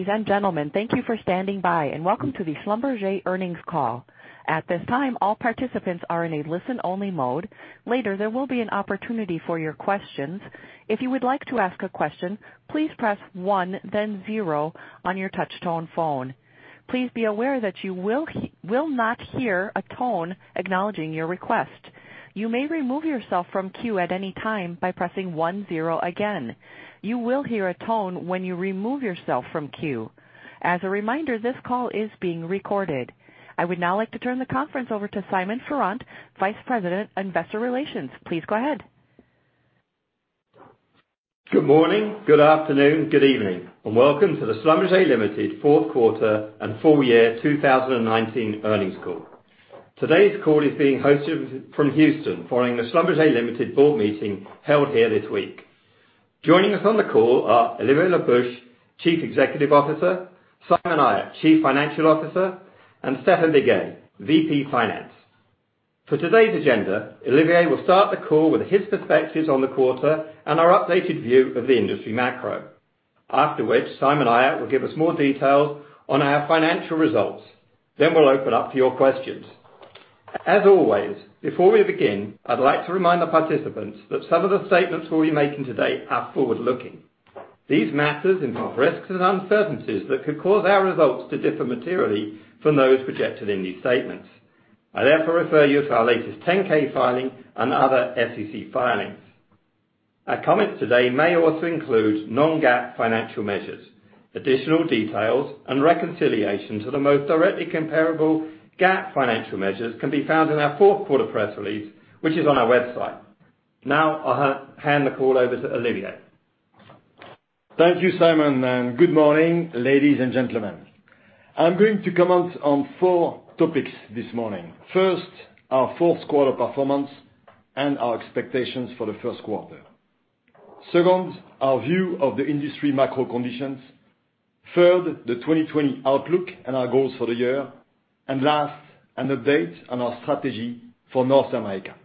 Ladies and gentlemen, thank you for standing by and welcome to the Schlumberger earnings call. At this time, all participants are in a listen-only mode. Later, there will be an opportunity for your questions. If you would like to ask a question, please press one then zero on your touch-tone phone. Please be aware that you will not hear a tone acknowledging your request. You may remove yourself from queue at any time by pressing one, zero again. You will hear a tone when you remove yourself from queue. As a reminder, this call is being recorded. I would now like to turn the conference over to Simon Farrant, Vice President, Investor Relations. Please go ahead. Good morning, good afternoon, good evening, and welcome to the Schlumberger Limited fourth quarter and full year 2019 earnings call. Today's call is being hosted from Houston following the Schlumberger Limited board meeting held here this week. Joining us on the call are Olivier Le Peuch, Chief Executive Officer, Simon Ayat, Chief Financial Officer, and Stephane Biguet, VP Finance. For today's agenda, Olivier will start the call with his perspectives on the quarter and our updated view of the industry macro. After which, Simon Ayat will give us more details on our financial results. We'll open up to your questions. As always, before we begin, I'd like to remind the participants that some of the statements we'll be making today are forward-looking. These matters involve risks and uncertainties that could cause our results to differ materially from those projected in these statements. I therefore refer you to our latest 10-K filing and other SEC filings. Our comments today may also include non-GAAP financial measures. Additional details and reconciliation to the most directly comparable GAAP financial measures can be found in our fourth quarter press release, which is on our website. Now, I'll hand the call over to Olivier. Thank you, Simon. Good morning, ladies and gentlemen. I'm going to comment on four topics this morning. First, our fourth quarter performance and our expectations for the first quarter. Second, our view of the industry macro conditions. Third, the 2020 outlook and our goals for the year. Last, an update on our strategy for North America.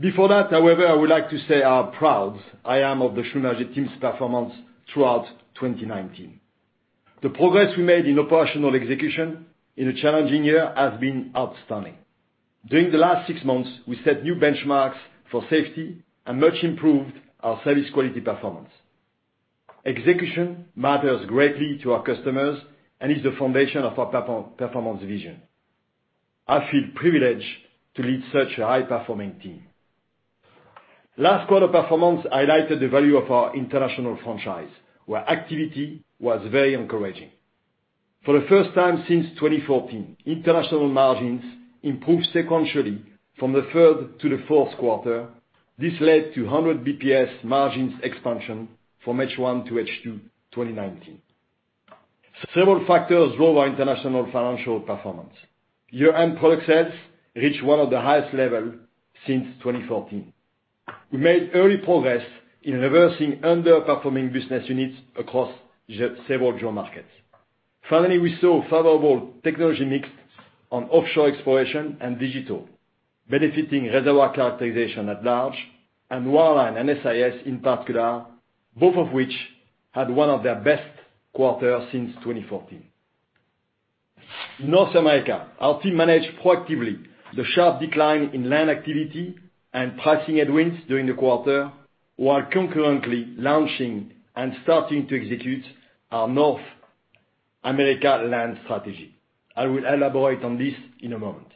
Before that, however, I would like to say how proud I am of the Schlumberger team's performance throughout 2019. The progress we made in operational execution in a challenging year has been outstanding. During the last six months, we set new benchmarks for safety and much improved our service quality performance. Execution matters greatly to our customers and is the foundation of our performance vision. I feel privileged to lead such a high-performing team. Last quarter performance highlighted the value of our international franchise, where activity was very encouraging. For the first time since 2014, international margins improved sequentially from the third to the fourth quarter. This led to 100 BPS margins expansion from H1 to H2 2019. Several factors drove our international financial performance. Year-end product sales reached one of the highest levels since 2014. We made early progress in reversing underperforming business units across several geo markets. We saw favorable technology mix on offshore exploration and digital, benefiting reservoir characterization at large, and Wireline and SIS in particular, both of which had one of their best quarters since 2014. In North America, our team managed proactively the sharp decline in land activity and pricing headwinds during the quarter, while concurrently launching and starting to execute our North America land strategy. I will elaborate on this in a moment.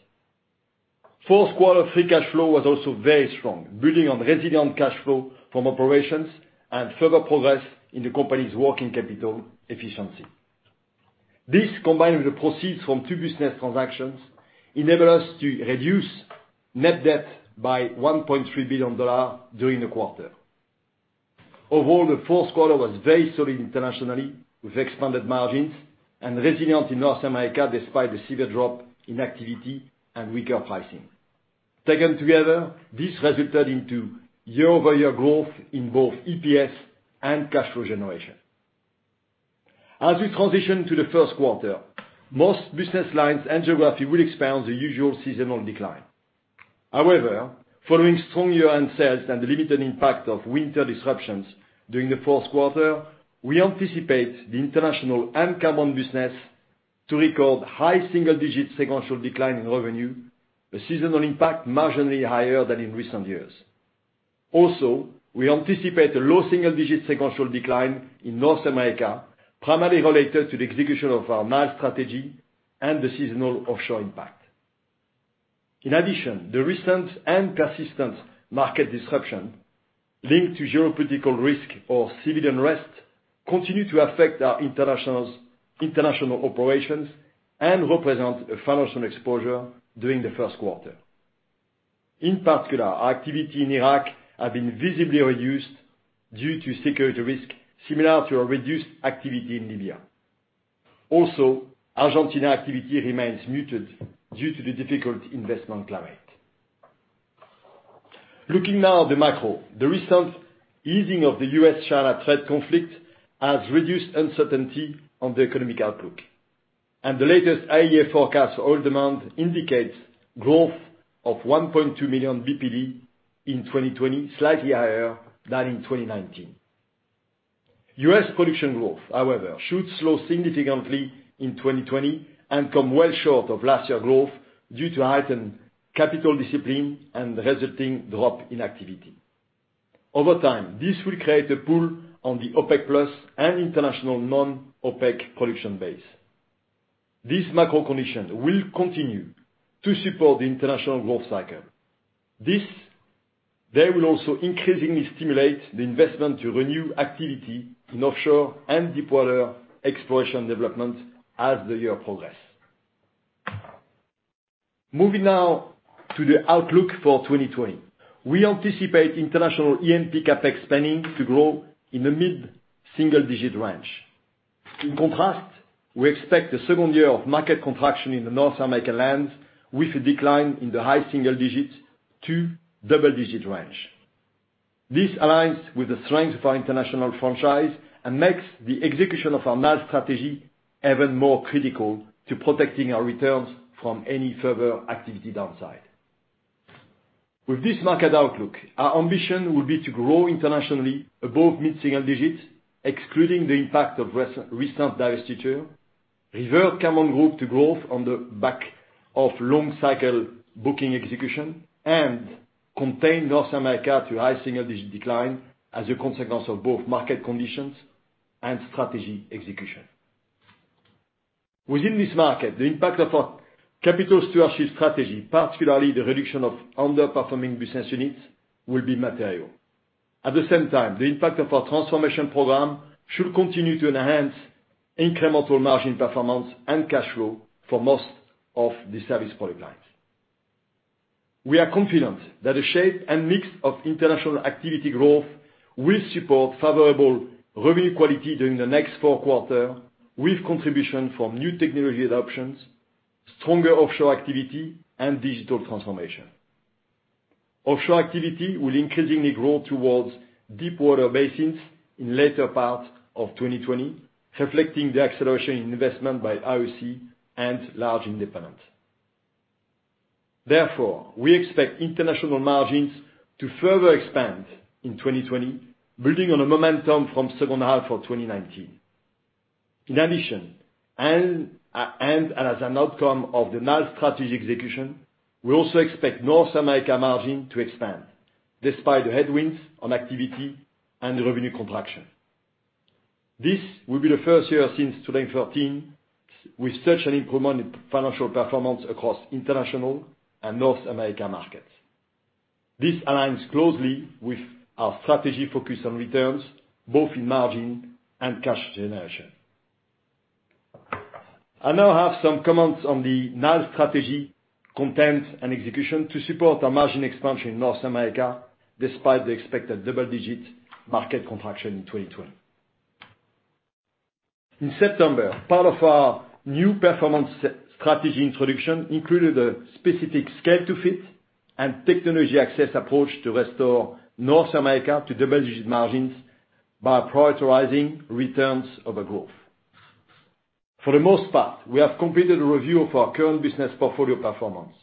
Fourth quarter free cash flow was also very strong, building on resilient cash flow from operations and further progress in the company's working capital efficiency. This, combined with the proceeds from two business transactions, enabled us to reduce net debt by $1.3 billion during the quarter. Overall, the fourth quarter was very solid internationally, with expanded margins and resilient in North America, despite the severe drop in activity and weaker pricing. Taken together, this resulted in year-over-year growth in both EPS and cash flow generation. As we transition to the first quarter, most business lines and geographies will experience the usual seasonal decline. Following strong year-end sales and the limited impact of winter disruptions during the fourth quarter, we anticipate the international and Cameron business to record high single-digit sequential decline in revenue, a seasonal impact marginally higher than in recent years. We anticipate a low single-digit sequential decline in North America, primarily related to the execution of our NAL strategy and the seasonal offshore impact. The recent and persistent market disruption linked to geopolitical risk or civil unrest continue to affect our international operations and represent a financial exposure during the first quarter. Our activity in Iraq have been visibly reduced due to security risk similar to a reduced activity in Libya. Argentina activity remains muted due to the difficult investment climate. Looking now at the macro. The recent easing of the U.S.-China trade conflict has reduced uncertainty on the economic outlook. The latest IEA forecast oil demand indicates growth of 1.2 million BPD in 2020, slightly higher than in 2019. U.S. production growth, however, should slow significantly in 2020 and come well short of last year's growth due to heightened capital discipline and the resulting drop in activity. Over time, this will create a pull on the OPEC+ and international non-OPEC production base. These macro conditions will continue to support the international growth cycle. They will also increasingly stimulate the investment to renew activity in offshore and deepwater exploration development as the year progress. Moving now to the outlook for 2020. We anticipate international E&P CapEx spending to grow in the mid-single-digit range. In contrast, we expect the second year of market contraction in the North American land, with a decline in the high single digits to double-digit range. This aligns with the strength of our international franchise and makes the execution of our NAL strategy even more critical to protecting our returns from any further activity downside. With this market outlook, our ambition will be to grow internationally above mid-single digits, excluding the impact of recent divestiture, revert Cameron Group to growth on the back of long cycle booking execution and contain North America to high single-digit decline as a consequence of both market conditions and strategy execution. Within this market, the impact of our capital stewardship strategy, particularly the reduction of underperforming business units, will be material. At the same time, the impact of our transformation program should continue to enhance incremental margin performance and cash flow for most of the service product lines. We are confident that the shape and mix of international activity growth will support favorable revenue quality during the next four quarters, with contribution from new technology adoptions, stronger offshore activity, and digital transformation. Offshore activity will increasingly grow towards deepwater basins in later parts of 2020, reflecting the acceleration in investment by IOC and large independents. We expect international margins to further expand in 2020, building on the momentum from second half of 2019. In addition, as an outcome of the NAL strategy execution, we also expect North America margin to expand despite the headwinds on activity and the revenue contraction. This will be the first year since 2013 with such an improvement in financial performance across international and North America markets. This aligns closely with our strategy focus on returns both in margin and cash generation. I now have some comments on the NAL strategy content and execution to support our margin expansion in North America, despite the expected double-digit market contraction in 2020. In September, part of our new performance strategy introduction included a specific scale-to-fit and technology access approach to restore North America to double-digit margins by prioritizing returns over growth. For the most part, we have completed a review of our current business portfolio performance.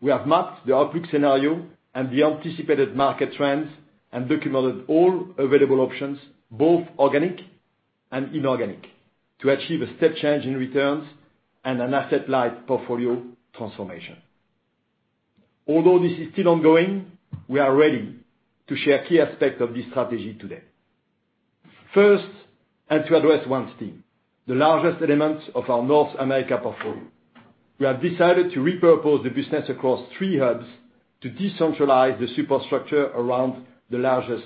We have mapped the outlook scenario and the anticipated market trends and documented all available options, both organic and inorganic, to achieve a step change in returns and an asset-light portfolio transformation. This is still ongoing, we are ready to share key aspects of this strategy today. First, to address OneStim, the largest element of our North America portfolio. We have decided to repurpose the business across three hubs to decentralize the superstructure around the largest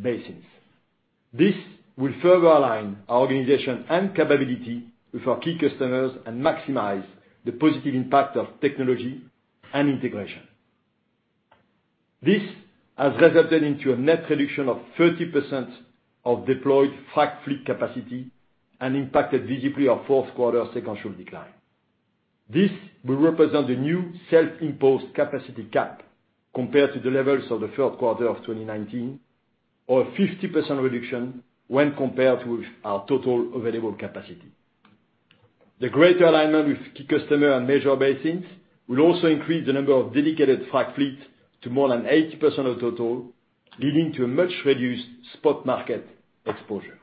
basins. This will further align our organization and capability with our key customers and maximize the positive impact of technology and integration. This has resulted into a net reduction of 30% of deployed frac fleet capacity and impacted visibly our fourth quarter sequential decline. This will represent the new self-imposed capacity cap compared to the levels of the third quarter of 2019, or a 50% reduction when compared with our total available capacity. The greater alignment with key customer and major basins will also increase the number of dedicated frac fleet to more than 80% of total, leading to a much-reduced spot market exposure.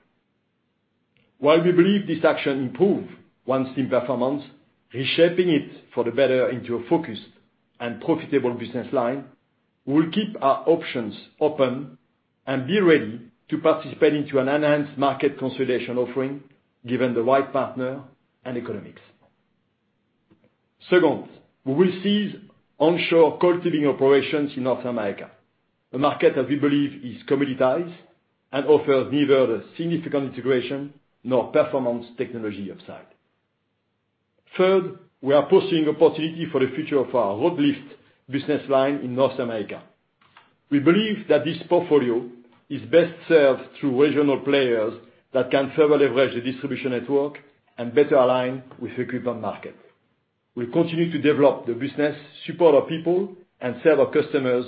While we believe this action improved OneStim performance, reshaping it for the better into a focused and profitable business line, we will keep our options open and be ready to participate into an enhanced market consolidation offering, given the right partner and economics. Second, we will cease onshore coiled tubing operations in North America, a market that we believe is commoditized and offers neither the significant integration nor performance technology upside. Third, we are pursuing opportunity for the future of our rod lift business line in North America. We believe that this portfolio is best served through regional players that can further leverage the distribution network and better align with equipment market. We'll continue to develop the business, support our people, and serve our customers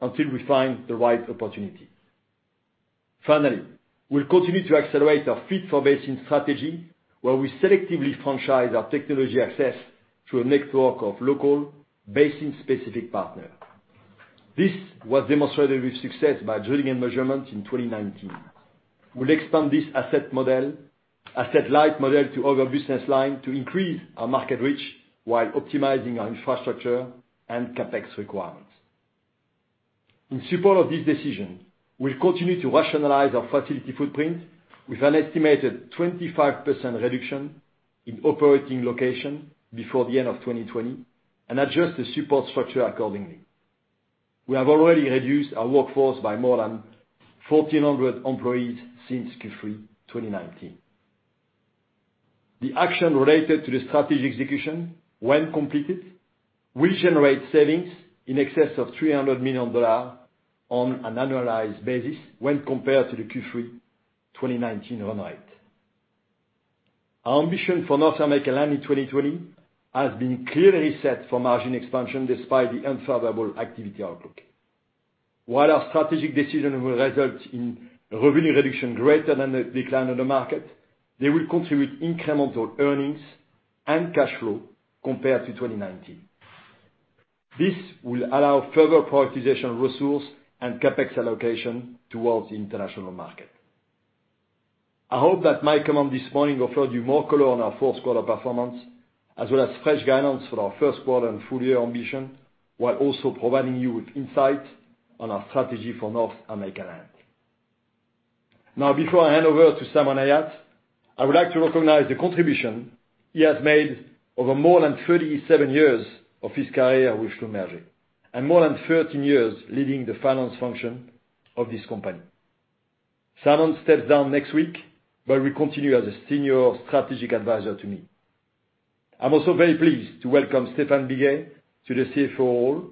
until we find the right opportunity. Finally, we'll continue to accelerate our fit-for-basin strategy, where we selectively franchise our technology access through a network of local, basin-specific partner. This was demonstrated with success by Drilling & Measurement in 2019. We'll expand this asset-light model to other business line to increase our market reach while optimizing our infrastructure and CapEx requirements. In support of this decision, we'll continue to rationalize our facility footprint with an estimated 25% reduction in operating location before the end of 2020 and adjust the support structure accordingly. We have already reduced our workforce by more than 1,400 employees since Q3 2019. The action related to the strategy execution, when completed, will generate savings in excess of $300 million on an annualized basis when compared to the Q3 2019 run rate. Our ambition for North America land in 2020 has been clearly set for margin expansion despite the unfavorable activity outlook. Our strategic decision will result in revenue reduction greater than the decline in the market, they will contribute incremental earnings and cash flow compared to 2019. This will allow further prioritization of resource and CapEx allocation towards the international market. I hope that my comment this morning offered you more color on our fourth quarter performance, as well as fresh guidance for our first quarter and full-year ambition, while also providing you with insight on our strategy for North America land. Before I hand over to Simon Ayat, I would like to recognize the contribution he has made over more than 37 years of his career with Schlumberger, and more than 13 years leading the finance function of this company. Simon steps down next week, but will continue as a senior strategic advisor to me. I'm also very pleased to welcome Stephane Biguet to the CFO role.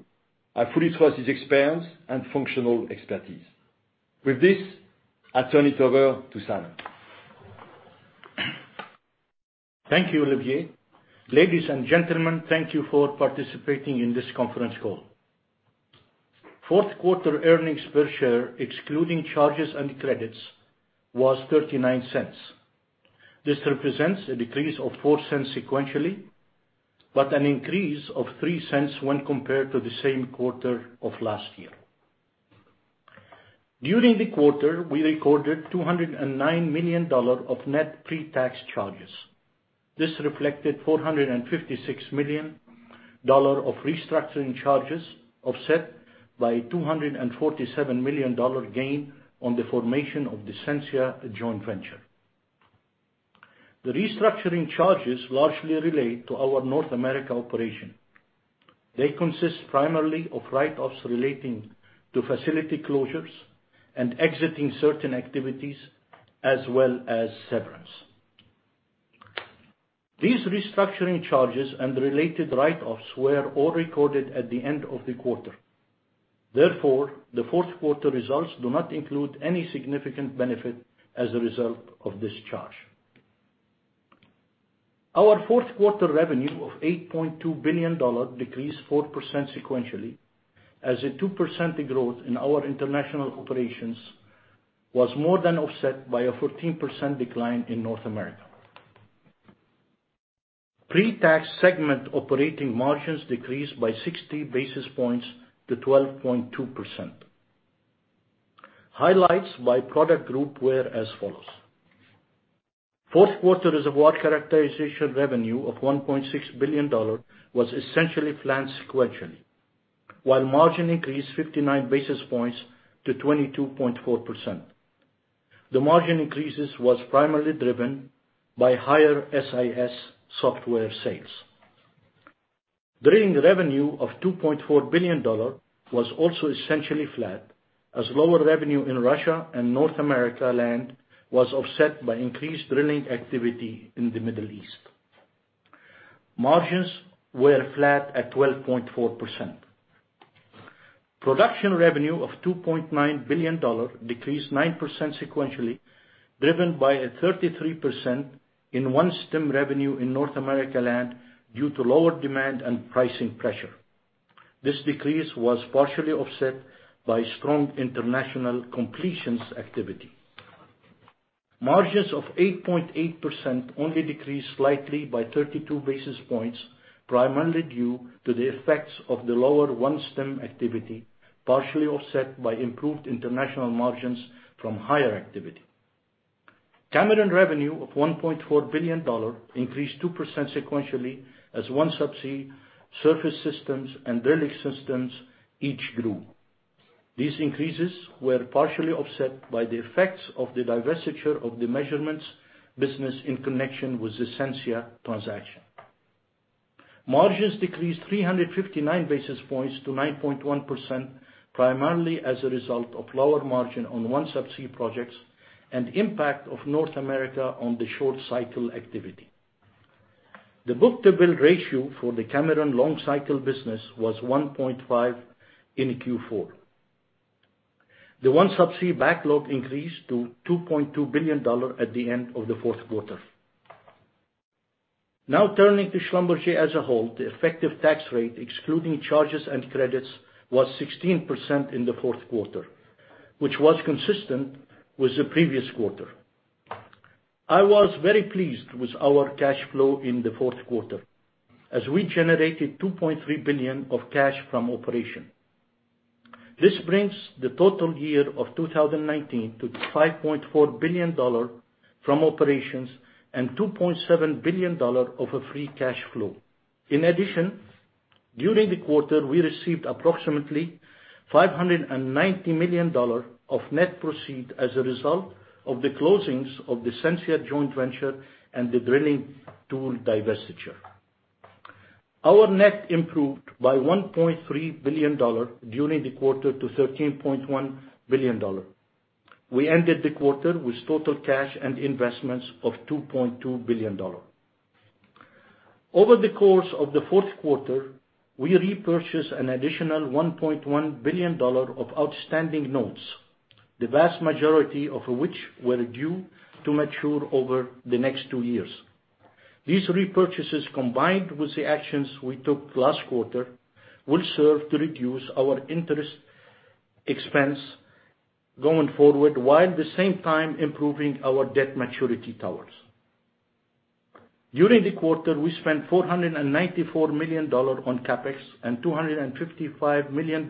I fully trust his experience and functional expertise. With this, I turn it over to Simon. Thank you, Olivier. Ladies and gentlemen, thank you for participating in this conference call. Fourth quarter earnings per share, excluding charges and credits, was $0.39. This represents a decrease of $0.04 sequentially, but an increase of $0.03 when compared to the same quarter of last year. During the quarter, we recorded $209 million of net pre-tax charges. This reflected $456 million of restructuring charges, offset by a $247 million gain on the formation of the Sensia joint venture. The restructuring charges largely relate to our North America operation. They consist primarily of write-offs relating to facility closures and exiting certain activities, as well as severance. These restructuring charges and related write-offs were all recorded at the end of the quarter. Therefore, the fourth quarter results do not include any significant benefit as a result of this charge. Our fourth quarter revenue of $8.2 billion decreased 4% sequentially, as a 2% growth in our international operations was more than offset by a 14% decline in North America. Pre-tax segment operating margins decreased by 60 basis points to 12.2%. Highlights by product group were as follows. Fourth quarter Reservoir Characterization revenue of $1.6 billion was essentially flat sequentially, while margin increased 59 basis points to 22.4%. The margin increase was primarily driven by higher SIS software sales. Drilling revenue of $2.4 billion was also essentially flat, as lower revenue in Russia and North America land was offset by increased drilling activity in the Middle East. Margins were flat at 12.4%. Production revenue of $2.9 billion decreased 9% sequentially, driven by a 33% in OneStim revenue in North America land due to lower demand and pricing pressure. This decrease was partially offset by strong international completions activity. Margins of 8.8% only decreased slightly by 32 basis points, primarily due to the effects of the lower OneStim activity, partially offset by improved international margins from higher activity. Cameron revenue of $1.4 billion increased 2% sequentially as OneSubsea, Surface Systems, and Drilling Systems each grew. These increases were partially offset by the effects of the divestiture of the Measurements business in connection with the Sensia transaction. Margins decreased 359 basis points to 9.1%, primarily as a result of lower margin on OneSubsea projects and impact of North America on the short-cycle activity. The book-to-bill ratio for the Cameron long-cycle business was 1.5 in Q4. The OneSubsea backlog increased to $2.2 billion at the end of the fourth quarter. Turning to Schlumberger as a whole. The effective tax rate, excluding charges and credits, was 16% in the fourth quarter, which was consistent with the previous quarter. I was very pleased with our cash flow in the fourth quarter as we generated $2.3 billion of cash from operation. This brings the total year of 2019 to $5.4 billion from operations and $2.7 billion of a free cash flow. In addition, during the quarter, we received approximately $590 million of net proceed as a result of the closings of the Sensia joint venture and the drilling tool divestiture. Our net improved by $1.3 billion during the quarter to $13.1 billion. We ended the quarter with total cash and investments of $2.2 billion. Over the course of the fourth quarter, we repurchased an additional $1.1 billion of outstanding notes, the vast majority of which were due to mature over the next two years. These repurchases, combined with the actions we took last quarter, will serve to reduce our interest expense going forward, while at the same time improving our debt maturity towers. During the quarter, we spent $494 million on CapEx and $255 million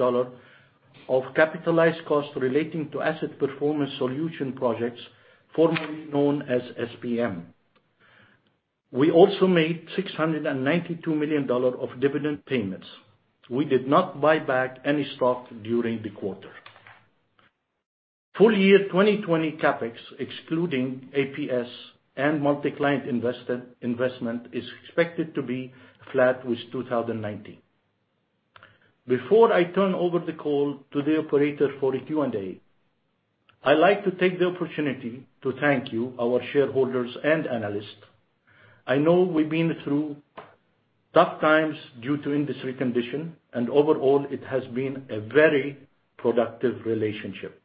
of capitalized costs relating to asset performance solution projects formerly known as SPM. We also made $692 million of dividend payments. We did not buy back any stock during the quarter. Full year 2020 CapEx, excluding APS and multi-client investment, is expected to be flat with 2019. Before I turn over the call to the operator for the Q&A, I'd like to take the opportunity to thank you, our shareholders and analysts. I know we've been through tough times due to industry condition, and overall it has been a very productive relationship.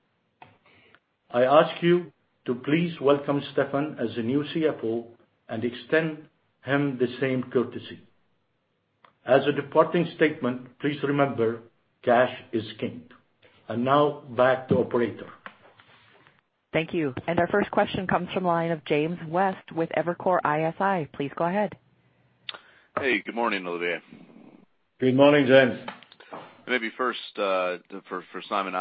I ask you to please welcome Stéphane as the new CFO and extend him the same courtesy. As a departing statement, please remember, cash is king. Now back to operator. Thank you. Our first question comes from the line of James West with Evercore ISI. Please go ahead. Hey, good morning, Olivier. Good morning, James. Maybe first, for Simon,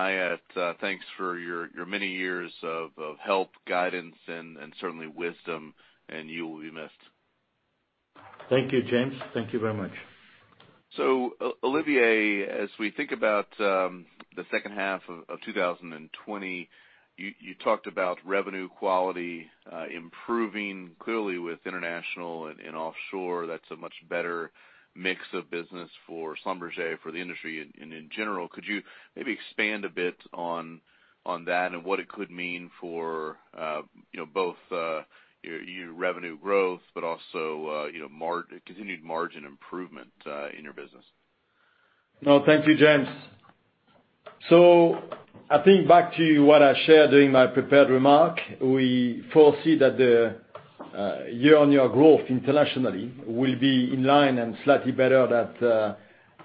thanks for your many years of help, guidance, and certainly wisdom, and you will be missed. Thank you, James. Thank you very much. Olivier, as we think about the second half of 2020, you talked about revenue quality improving. Clearly with international and offshore, that's a much better mix of business for Schlumberger, for the industry in general. Could you maybe expand a bit on that and what it could mean for both your revenue growth, but also continued margin improvement in your business? No, thank you, James. I think back to what I shared during my prepared remark. We foresee that the year-on-year growth internationally will be in line and slightly better than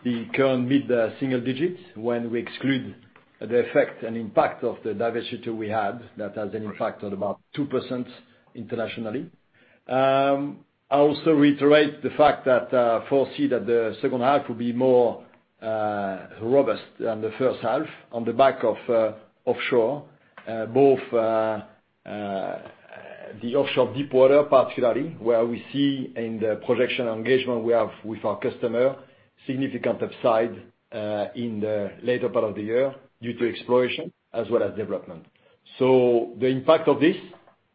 the current mid-single digits when we exclude the effect and impact of the divestiture we had that has an impact on about 2% internationally. I also reiterate the fact that I foresee that the second half will be more robust than the first half on the back of offshore. Both the offshore deep water, particularly, where we see in the projection engagement we have with our customer, significant upside in the later part of the year due to exploration as well as development. The impact of this,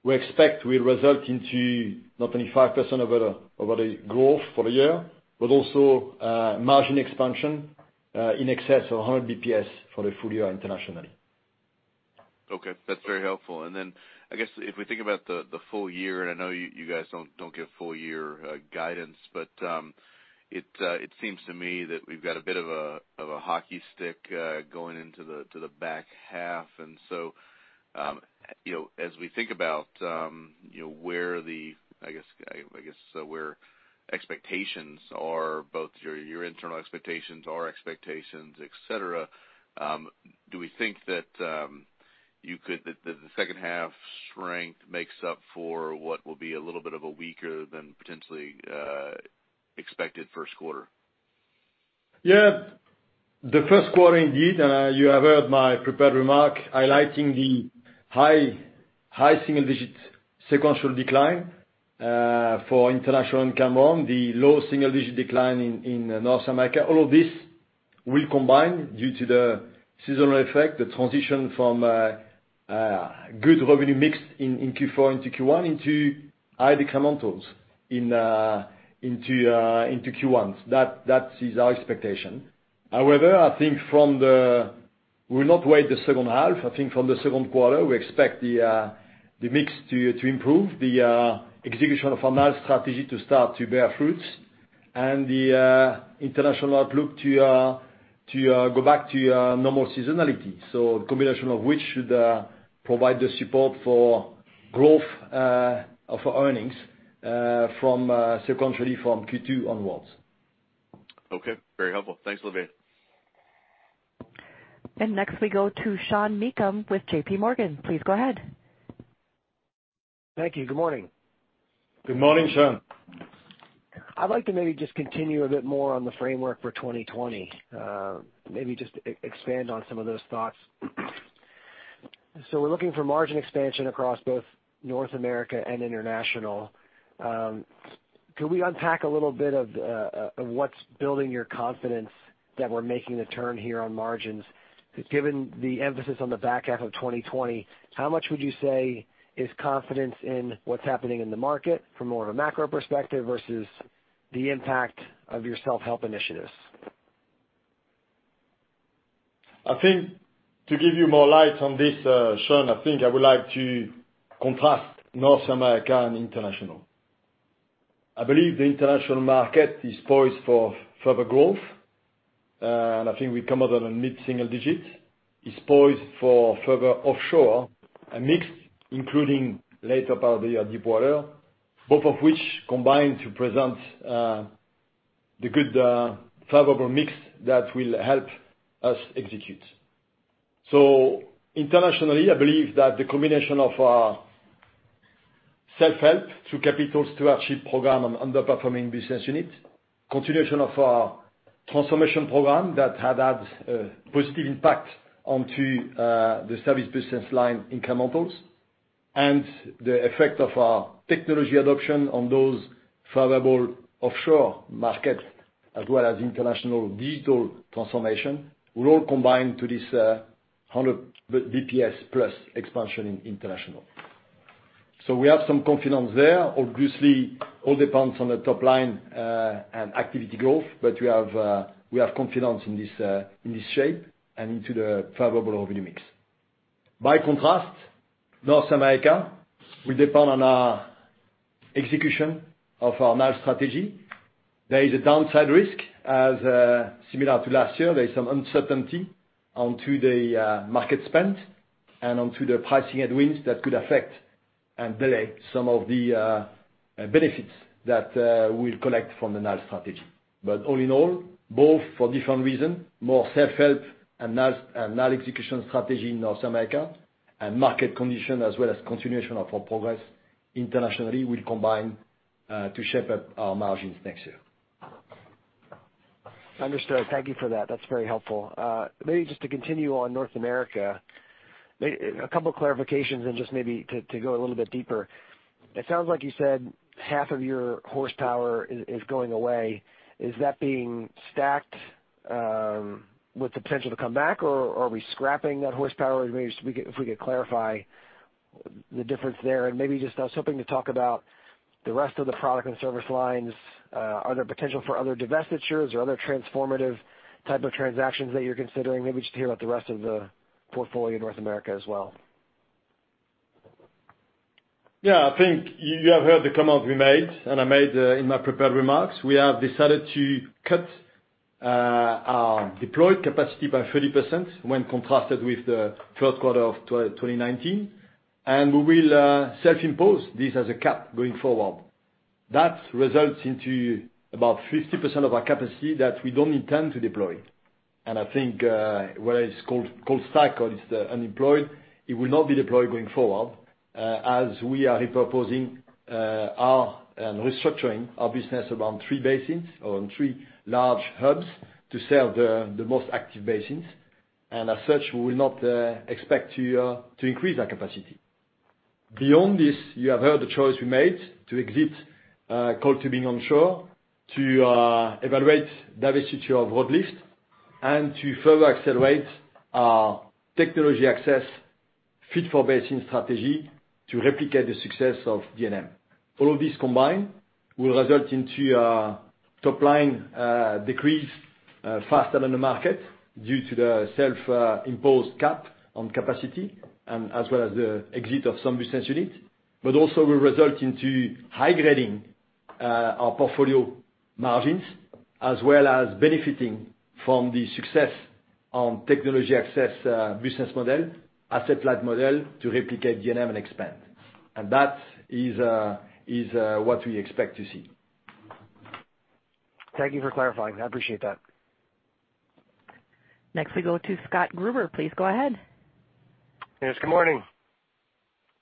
we expect will result into not only 5% of overall growth for the year, but also margin expansion in excess of 100 basis points for the full year internationally. Okay. That's very helpful. I guess if we think about the full year, I know you guys don't give full year guidance, but it seems to me that we've got a bit of a hockey stick going into the back half. As we think about where the, I guess, where expectations are, both your internal expectations, our expectations, et cetera, do we think that the second half strength makes up for what will be a little bit of a weaker than potentially expected first quarter? The first quarter indeed, you have heard my prepared remark highlighting the high single-digit sequential decline for international and Cameron, the low single-digit decline in North America. All of this will combine due to the seasonal effect, the transition from good revenue mix in Q4 into Q1 into high decline tools into Q1. That is our expectation. I think we will not wait the second half. I think from the second quarter, we expect the mix to improve, the execution of our strategy to start to bear fruits. The international outlook to go back to normal seasonality. Combination of which should provide the support for growth for earnings secondarily from Q2 onwards. Okay. Very helpful. Thanks, Olivier. Next we go to Sean Meakim with J.P. Morgan. Please go ahead. Thank you. Good morning. Good morning, Sean. I'd like to maybe just continue a bit more on the framework for 2020. Maybe just expand on some of those thoughts. We're looking for margin expansion across both North America and international. Can we unpack a little bit of what's building your confidence that we're making a turn here on margins? Given the emphasis on the back half of 2020, how much would you say is confidence in what's happening in the market from more of a macro perspective versus the impact of your self-help initiatives? I think to give you more light on this, Sean, I think I would like to contrast North America and international. I believe the international market is poised for further growth, and I think we come out on mid-single digit. It's poised for further offshore mix, including later probably deepwater. Both of which combine to present the good favorable mix that will help us execute. Internationally, I believe that the combination of our self-help through capital stewardship program on underperforming business unit, continuation of our transformation program that have had positive impact onto the service business line incrementals, and the effect of our technology adoption on those favorable offshore markets as well as international digital transformation, will all combine to this 100 BPS plus expansion in international. We have some confidence there. Obviously, all depends on the top line and activity growth, but we have confidence in this shape and into the favorable revenue mix. By contrast, North America will depend on our execution of our NAL strategy. There is a downside risk as similar to last year. There is some uncertainty onto the market spend and onto the pricing headwinds that could affect and delay some of the benefits that we'll collect from the NAL strategy. All in all, both for different reason, more self-help and NAL execution strategy in North America and market condition as well as continuation of our progress internationally will combine to shape up our margins next year. Understood. Thank you for that. That's very helpful. Maybe just to continue on North America, a couple clarifications and just maybe to go a little bit deeper. It sounds like you said half of your horsepower is going away. Is that being stacked with the potential to come back, or are we scrapping that horsepower? Maybe if we could clarify the difference there. Maybe just, I was hoping to talk about the rest of the product and service lines. Are there potential for other divestitures or other transformative type of transactions that you're considering? Maybe just hear about the rest of the portfolio in North America as well. Yeah, I think you have heard the comment we made and I made in my prepared remarks. We have decided to cut our deployed capacity by 30% when contrasted with the third quarter of 2019. We will self-impose this as a cap going forward. That results into about 50% of our capacity that we don't intend to deploy. I think whether it's cold stacked or it's unemployed, it will not be deployed going forward, as we are repurposing and restructuring our business around three basins or on three large hubs to serve the most active basins. As such, we will not expect to increase our capacity. Beyond this, you have heard the choice we made to exit coiled tubing onshore, to evaluate divestiture of rod lift, and to further accelerate our technology access fit-for-basin strategy to replicate the success of D&M. All of this combined will result into a top line decrease faster than the market due to the self-imposed cap on capacity and as well as the exit of some business unit, but also will result into high grading our portfolio margins as well as benefiting from the success on technology access business model, asset-light model to replicate D&M and expand. That is what we expect to see. Thank you for clarifying. I appreciate that. Next we go to Scott Gruber. Please go ahead. Yes, good morning.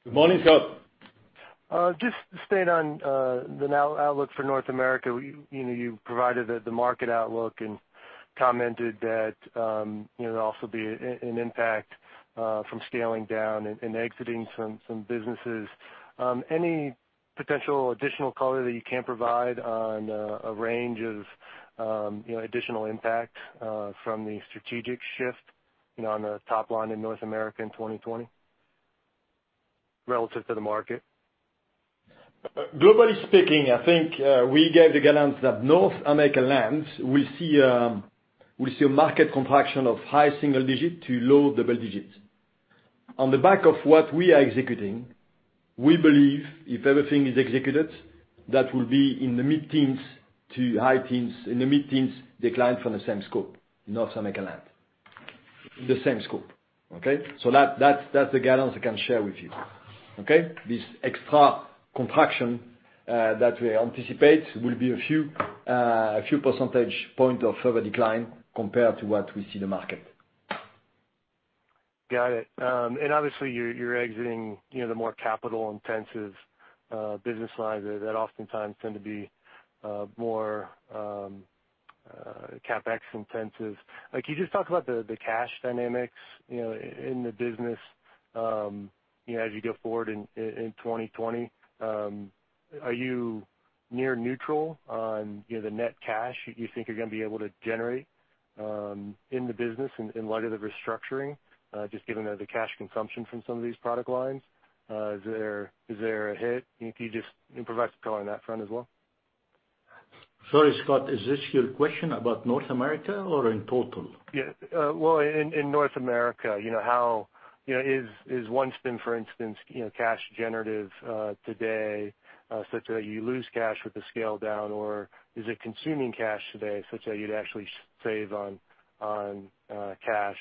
Good morning, Scott. Just to stay on the NAL outlook for North America. You provided the market outlook and commented that there will also be an impact from scaling down and exiting some businesses. Any potential additional color that you can provide on a range of additional impact from the strategic shift on the top line in North America in 2020 relative to the market? Globally speaking, I think we gave the guidance that North America lands will see a market contraction of high single digit to low double digits. On the back of what we are executing, we believe if everything is executed, that will be in the mid-teens decline from the same scope in North America land. The same scope. Okay? That's the guidance I can share with you. Okay? This extra contraction that we anticipate will be a few percentage points of further decline compared to what we see in the market. Got it. Obviously you're exiting the more capital-intensive business lines that oftentimes tend to be more CapEx intensive. Can you just talk about the cash dynamics in the business as you go forward in 2020? Are you near neutral on the net cash you think you're going to be able to generate in the business in light of the restructuring, just given the cash consumption from some of these product lines? Is there a hit? Can you just provide some color on that front as well? Sorry, Scott, is this your question about North America or in total? Yeah, well, in North America, is OneStim, for instance, cash generative today such that you lose cash with the scale down, or is it consuming cash today such that you'd actually save on cash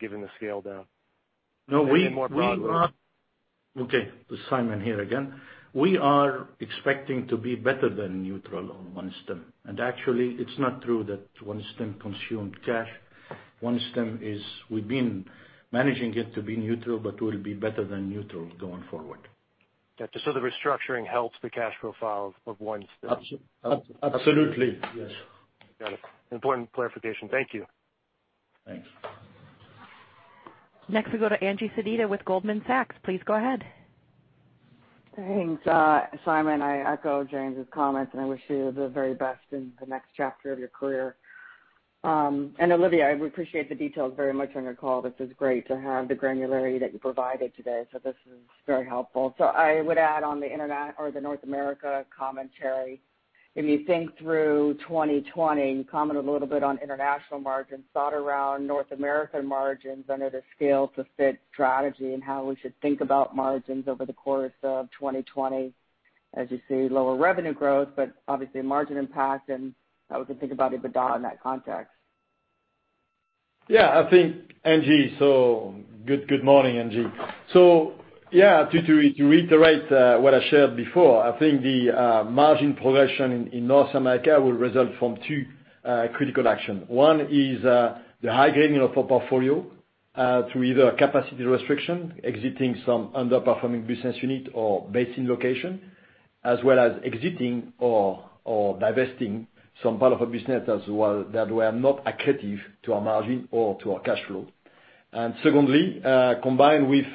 given the scale down? No. Maybe more broadly. Okay. This is Simon here again. We are expecting to be better than neutral on OneStim. Actually, it's not true that OneStim consumed cash. OneStim, we've been managing it to be neutral, but we'll be better than neutral going forward. Got you. The restructuring helps the cash profile of OneStim. Absolutely. Yes. Got it. Important clarification. Thank you. Thanks. Next we go to Angie Sedita with Goldman Sachs. Please go ahead. Thanks, Simon. I echo James' comments, and I wish you the very best in the next chapter of your career. Olivier, we appreciate the details very much on your call. This is great to have the granularity that you provided today, so this is very helpful. I would add on the North America commentary, if you think through 2020, you commented a little bit on international margins. Thought around North American margins under the scale-to-fit strategy and how we should think about margins over the course of 2020, as you see lower revenue growth, but obviously a margin impact, and how we can think about EBITDA in that context. Yeah, Angie. Good morning, Angie. Yeah, to reiterate what I shared before, I think the margin progression in North America will result from two critical actions. One is the high-grading of our portfolio through either capacity restriction, exiting some underperforming business unit or basin location, as well as exiting or divesting some part of a business that were not accretive to our margin or to our cash flow. Secondly, combined with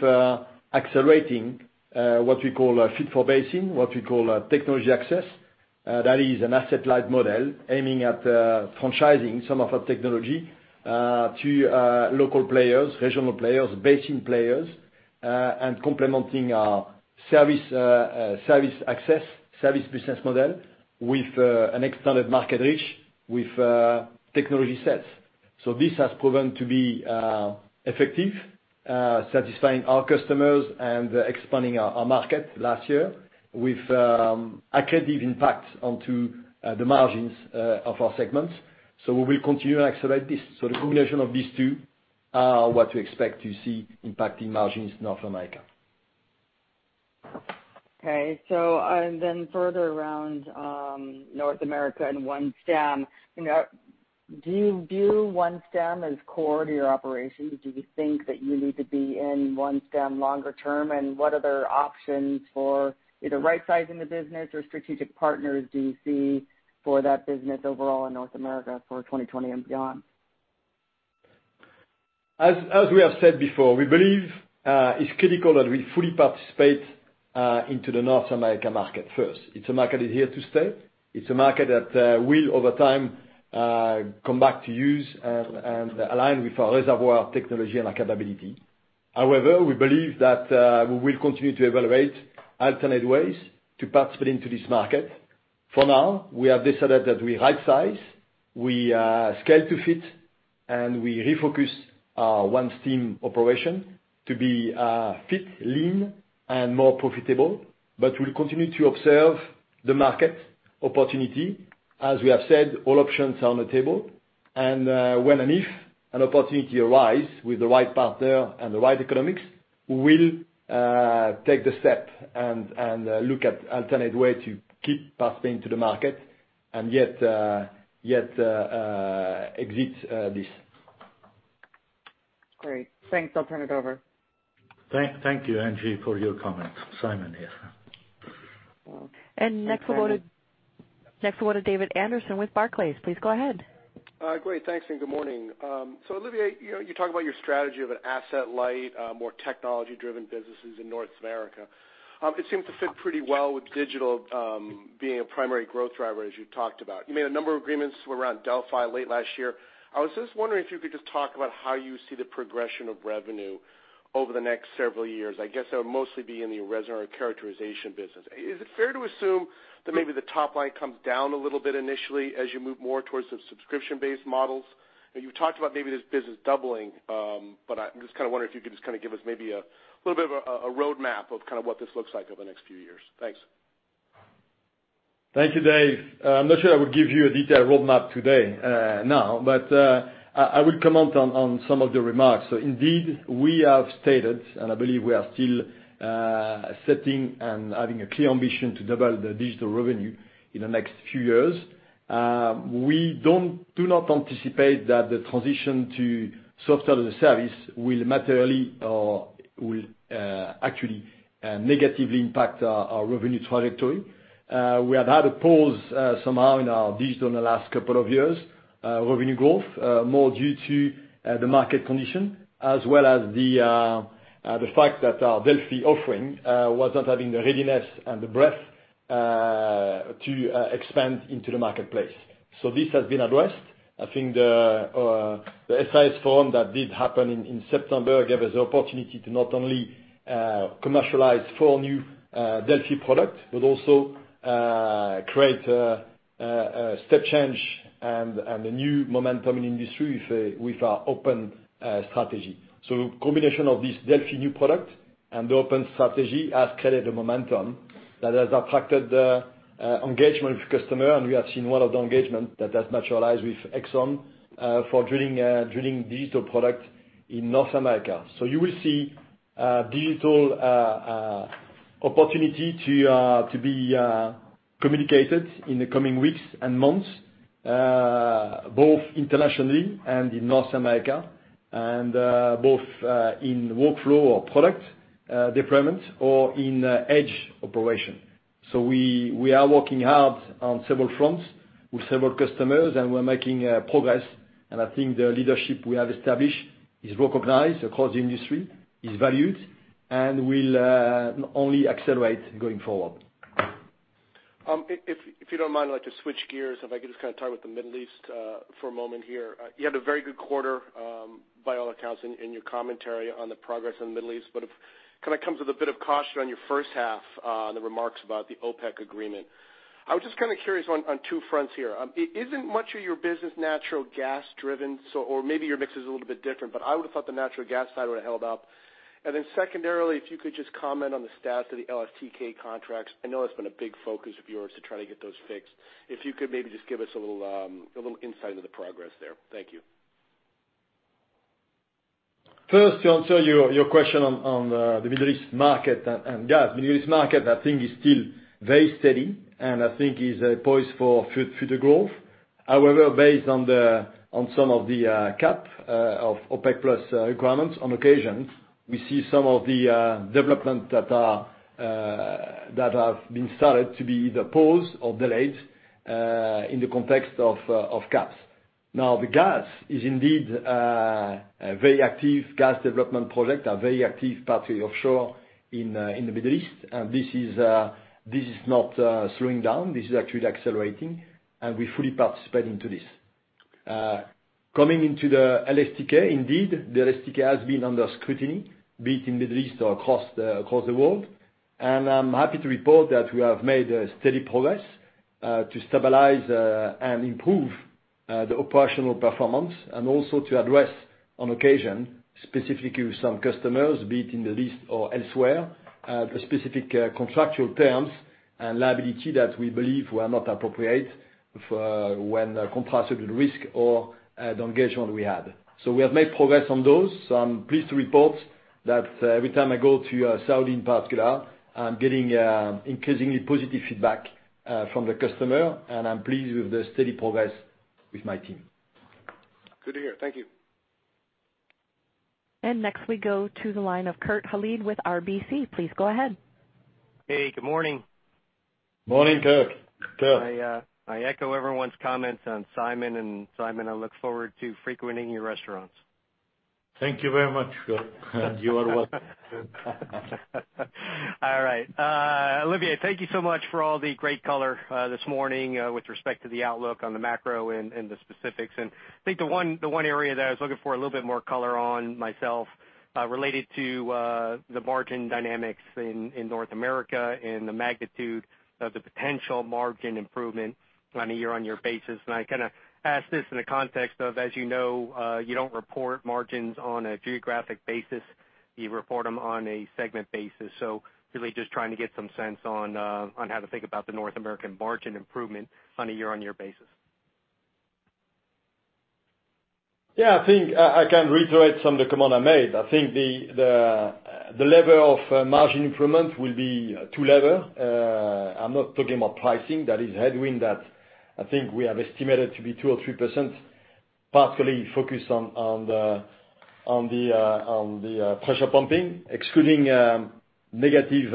accelerating what we call fit-for-basin, what we call technology access. That is an asset-light model aiming at franchising some of our technology to local players, regional players, basin players and complementing our service access, service business model with an expanded market reach with technology sets. This has proven to be effective, satisfying our customers and expanding our market last year with accretive impact onto the margins of our segments. We will continue to accelerate this. The combination of these two are what we expect to see impacting margins in North America. Okay. Further around North America and OneStim, do you view OneStim as core to your operations? Do you think that you need to be in OneStim longer term? What other options for either right-sizing the business or strategic partners do you see for that business overall in North America for 2020 and beyond? As we have said before, we believe it's critical that we fully participate into the North America market first. It's a market that's here to stay. It's a market that will, over time, come back to use and align with our reservoir of technology and our capability. However, we believe that we will continue to evaluate alternate ways to participate into this market. For now, we have decided that we right-size, we scale-to-fit, and we refocus our OneStim operation to be fit, lean, and more profitable. We'll continue to observe the market opportunity. As we have said, all options are on the table. When and if an opportunity arise with the right partner and the right economics, we will take the step and look at alternate way to keep participating to the market and yet exit this. Great. Thanks. I'll turn it over. Thank you, Angie, for your comment. Simon here. Next we'll go to David Anderson with Barclays. Please go ahead. Great. Thanks, and good morning. Olivier, you talk about your strategy of an asset-light, more technology-driven businesses in North America. It seems to fit pretty well with digital being a primary growth driver as you talked about. You made a number of agreements around Delfi late last year. I was just wondering if you could just talk about how you see the progression of revenue over the next several years. I guess that would mostly be in the reservoir characterization business. Is it fair to assume that maybe the top line comes down a little bit initially as you move more towards the subscription-based models? You talked about maybe this business doubling, but I'm just kind of wondering if you could just give us maybe a little bit of a roadmap of what this looks like over the next few years. Thanks. Thank you, Dave. I'm not sure I will give you a detailed roadmap today, I will comment on some of the remarks. Indeed, we have stated, and I believe we are still setting and having a clear ambition to double the digital revenue in the next few years. We do not anticipate that the transition to software as a service will materially or will actually negatively impact our revenue trajectory. We have had a pause somehow in our digital in the last couple of years, revenue growth, more due to the market condition as well as the fact that our Delfi offering was not having the readiness and the breadth to expand into the marketplace. This has been addressed. I think the SIS Forum that did happen in September gave us the opportunity to not only commercialize four new Delfi products, but also create a step change and a new momentum in industry with our open strategy. The combination of this Delfi new product and the open strategy has created a momentum that has attracted the engagement of customer, and we have seen one of the engagement that has materialized with Exxon for drilling digital product in North America. You will see digital opportunity to be communicated in the coming weeks and months, both internationally and in North America, and both in workflow or product deployment or in edge operation. We are working hard on several fronts with several customers, and we're making progress. I think the leadership we have established is recognized across the industry, is valued, and will only accelerate going forward. If you don't mind, I'd like to switch gears, if I could just kind of talk about the Middle East for a moment here. You had a very good quarter, by all accounts, in your commentary on the progress in the Middle East, but it kind of comes with a bit of caution on your first half, the remarks about the OPEC agreement. I was just kind of curious on two fronts here. Isn't much of your business natural gas-driven, or maybe your mix is a little bit different, but I would have thought the natural gas side would have held up. Secondarily, if you could just comment on the status of the LSTK contracts. I know that's been a big focus of yours to try to get those fixed. If you could maybe just give us a little insight into the progress there. Thank you. To answer your question on the Middle East market and gas. Middle East market, I think, is still very steady, and I think is poised for future growth. However, based on some of the cap of OPEC+ requirements, on occasions, we see some of the development that have been started to be either paused or delayed in the context of caps. The gas is indeed a very active gas development project, a very active partly offshore in the Middle East. This is not slowing down. This is actually accelerating. We're fully participating to this. Coming into the LSTK, indeed, the LSTK has been under scrutiny, be it in Middle East or across the world. I'm happy to report that we have made a steady progress to stabilize and improve the operational performance and also to address, on occasion, specifically with some customers, be it in the Middle East or elsewhere, the specific contractual terms and liability that we believe were not appropriate when compared with risk or the engagement we had. We have made progress on those. I'm pleased to report that every time I go to Saudi in particular, I'm getting increasingly positive feedback from the customer, and I'm pleased with the steady progress with my team. Good to hear. Thank you. Next we go to the line of Kurt Hallead with RBC. Please go ahead. Hey, good morning. Morning, Kurt. I echo everyone's comments on Simon. Simon, I look forward to frequenting your restaurants. Thank you very much, Kurt. You are welcome. All right. Olivier, thank you so much for all the great color this morning with respect to the outlook on the macro and the specifics. I think the one area that I was looking for a little bit more color on myself related to the margin dynamics in North America and the magnitude of the potential margin improvement on a year-on-year basis. I kind of ask this in the context of, as you know, you don't report margins on a geographic basis. You report them on a segment basis. Really just trying to get some sense on how to think about the North American margin improvement on a year-on-year basis. Yeah, I think I can reiterate some of the comment I made. I think the level of margin improvement will be two level. I'm not talking about pricing. That is headwind that I think we have estimated to be 2% or 3%, partially focused on the pressure pumping. Excluding negative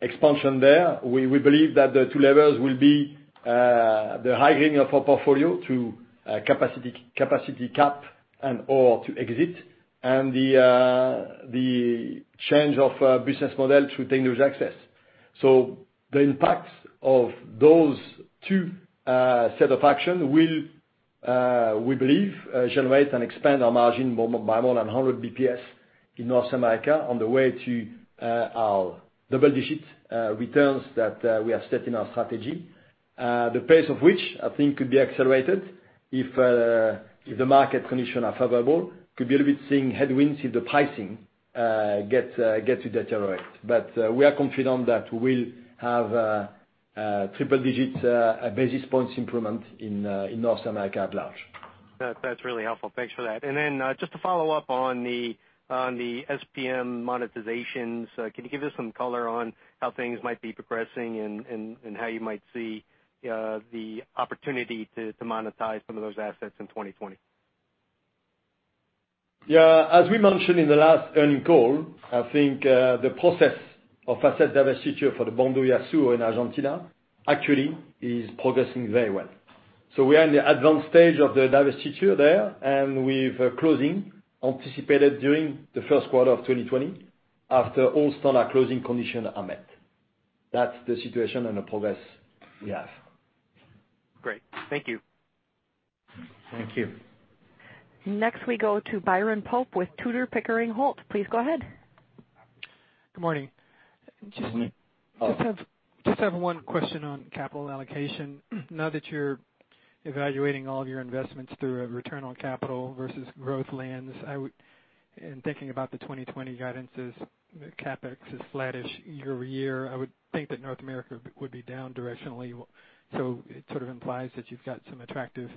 expansion there, we believe that the two levels will be the right heading of our portfolio to capacity cap and/or to exit, and the change of business model through technology access. The impact of those two set of action will, we believe, generate and expand our margin by more than 100 basis points in North America on the way to our double-digit returns that we have set in our strategy. The pace of which I think could be accelerated if the market condition are favorable. Could be a little bit seeing headwinds if the pricing gets to deteriorate. We are confident that we'll have a triple digit basis points improvement in North America at large. That's really helpful. Thanks for that. Then just to follow up on the SPM monetizations, can you give us some color on how things might be progressing and how you might see the opportunity to monetize some of those assets in 2020? As we mentioned in the last earning call, I think, the process of asset divestiture for the Bandurria Sur in Argentina actually is progressing very well. We are in the advanced stage of the divestiture there, and with closing anticipated during the first quarter of 2020 after all standard closing condition are met. That's the situation and the progress we have. Great. Thank you. Thank you. Next, we go to Byron Pope with Tudor, Pickering, Holt. Please go ahead. Good morning. Just have one question on capital allocation. Now that you're evaluating all of your investments through a return on capital versus growth lens, in thinking about the 2020 guidances, the CapEx is flattish year-over-year. I would think that North America would be down directionally. It sort of implies that you've got some attractive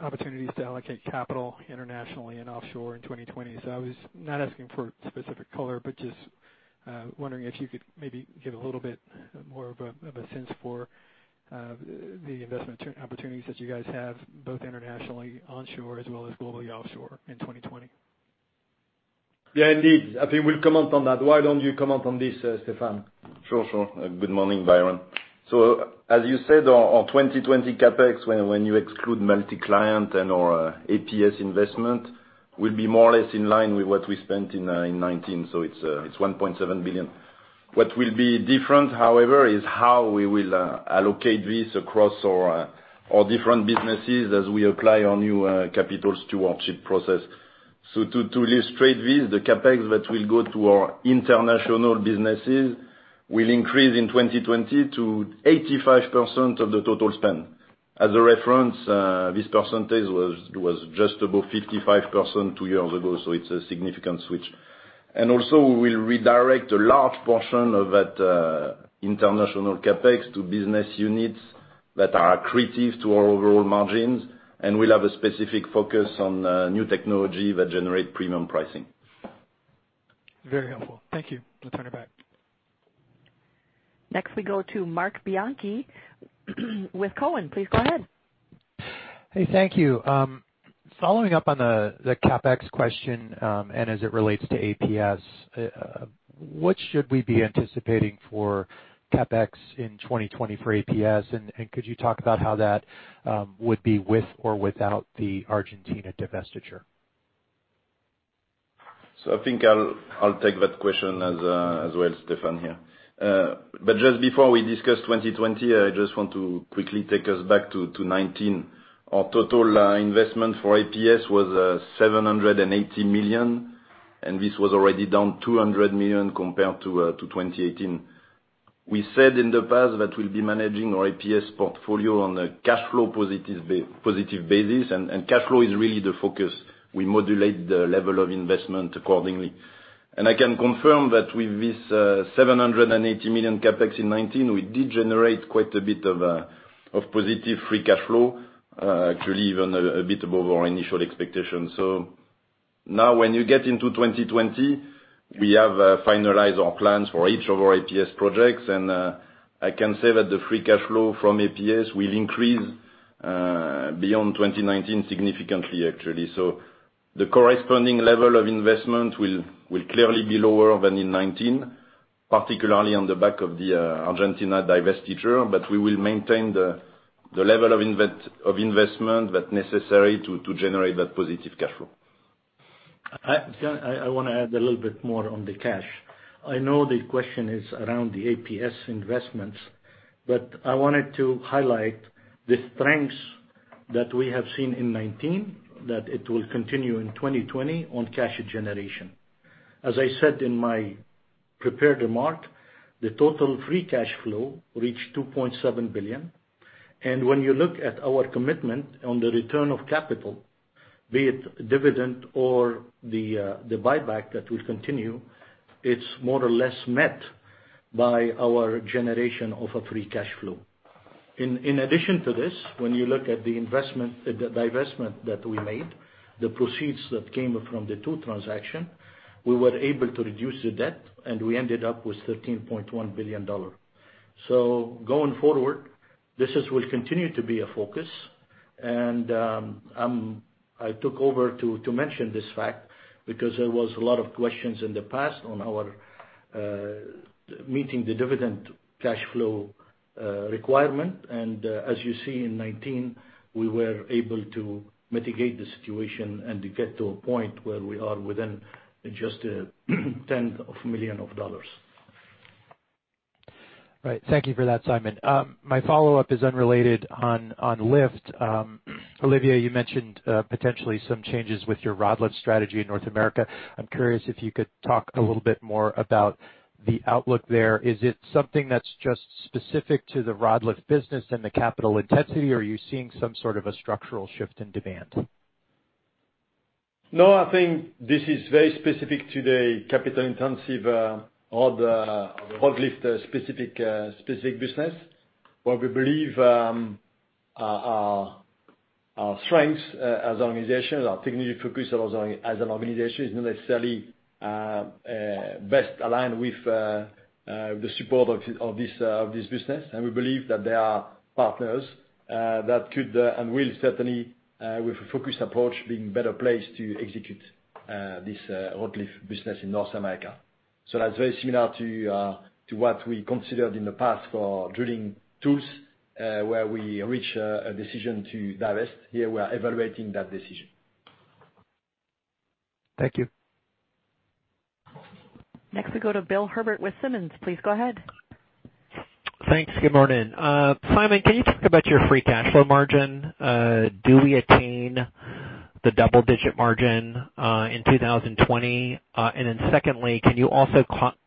opportunities to allocate capital internationally and offshore in 2020. I was not asking for specific color, but just wondering if you could maybe give a little bit more of a sense for the investment opportunities that you guys have, both internationally onshore as well as globally offshore in 2020. Yeah, indeed. I think we'll comment on that. Why don't you comment on this, Stephane? Sure. Good morning, Byron. As you said, our 2020 CapEx, when you exclude multi-client and our APS investment, will be more or less in line with what we spent in 2019. It's $1.7 billion. What will be different, however, is how we will allocate this across our different businesses as we apply our new capital stewardship process. To illustrate this, the CapEx that will go to our international businesses will increase in 2020 to 85% of the total spend. As a reference, this percentage was just above 55% two years ago, so it's a significant switch. Also, we will redirect a large portion of that international CapEx to business units that are accretive to our overall margins, and we'll have a specific focus on new technology that generate premium pricing. Very helpful. Thank you. I'll turn it back. Next we go to Marc Bianchi with Cowen. Please go ahead. Hey, thank you. Following up on the CapEx question, as it relates to APS, what should we be anticipating for CapEx in 2020 for APS? Could you talk about how that would be with or without the Argentina divestiture? I think I'll take that question as well, Stephane here. Just before we discuss 2020, I just want to quickly take us back to 2019. Our total investment for APS was $780 million, and this was already down $200 million compared to 2018. We said in the past that we'll be managing our APS portfolio on a cash flow positive basis, and cash flow is really the focus. We modulate the level of investment accordingly. I can confirm that with this $780 million CapEx in 2019, we did generate quite a bit of positive free cash flow, actually even a bit above our initial expectations. Now when you get into 2020, we have finalized our plans for each of our APS projects, and I can say that the free cash flow from APS will increase beyond 2019 significantly, actually. The corresponding level of investment will clearly be lower than in 2019, particularly on the back of the Argentina divestiture, but we will maintain the level of investment that necessary to generate that positive cash flow. I want to add a little bit more on the cash. I know the question is around the APS investments, but I wanted to highlight the strengths that we have seen in 2019, that it will continue in 2020 on cash generation. As I said in my prepared remark, the total free cash flow reached $2.7 billion, and when you look at our commitment on the return of capital, be it dividend or the buyback that will continue, it's more or less met by our generation of a free cash flow. In addition to this, when you look at the divestment that we made, the proceeds that came from the two transaction, we were able to reduce the debt, and we ended up with $13.1 billion. Going forward, this will continue to be a focus. I took over to mention this fact because there was a lot of questions in the past on our meeting the dividend cash flow requirement. As you see in 2019, we were able to mitigate the situation and to get to a point where we are within just $10 million. Right. Thank you for that, Simon. My follow-up is unrelated on lift. Olivier, you mentioned potentially some changes with your rod lift strategy in North America. I'm curious if you could talk a little bit more about the outlook there. Is it something that's just specific to the rod lift business and the capital intensity, or are you seeing some sort of a structural shift in demand? No, I think this is very specific to the capital-intensive, all the forklift specific business. Where we believe our strengths as an organization, our technical focus as an organization is not necessarily best aligned with the support of this business. We believe that there are partners that could and will certainly, with a focused approach, be in better place to execute this forklift business in North America. That's very similar to what we considered in the past for drilling tools, where we reach a decision to divest. Here, we are evaluating that decision. Thank you. Next we go to Bill Herbert with Simmons. Please go ahead. Thanks. Good morning. Simon, can you talk about your free cash flow margin? Do we attain the double-digit margin in 2020? Secondly, can you also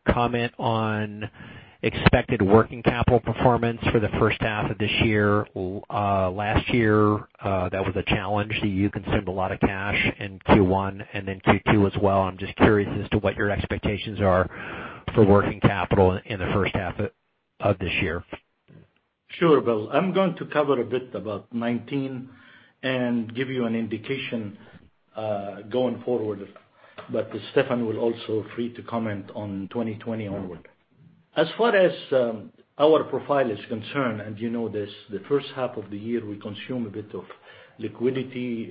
comment on expected working capital performance for the first half of this year? Last year, that was a challenge. You consumed a lot of cash in Q1 and then Q2 as well. I'm just curious as to what your expectations are for working capital in the first half of this year. Sure, Bill. I'm going to cover a bit about 2019 and give you an indication going forward. Stephane will also free to comment on 2020 onward. As far as our profile is concerned, and you know this, the first half of the year, we consume a bit of liquidity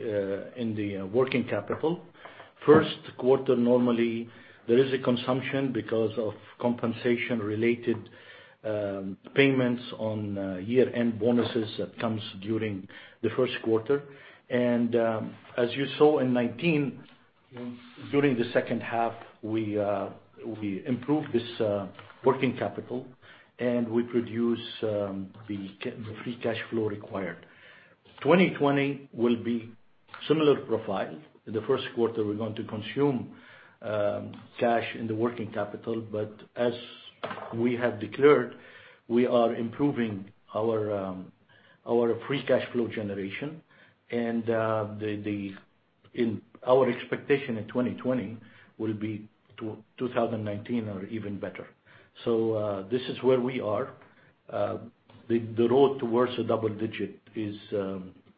in the working capital. First quarter, normally, there is a consumption because of compensation-related payments on year-end bonuses that comes during the first quarter. As you saw in 2019, during the second half, we improved this working capital, and we produced the free cash flow required. 2020 will be similar profile. In the first quarter, we're going to consume cash in the working capital, as we have declared, we are improving our free cash flow generation, our expectation in 2020 will be 2019 or even better. This is where we are. The road towards a double digit is